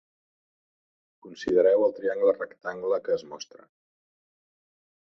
Considereu el triangle rectangle que es mostra.